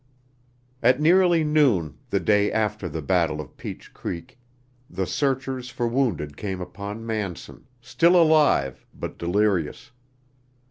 At nearly noon the day after the battle of Peach Creek the searchers for wounded came upon Manson, still alive, but delirious.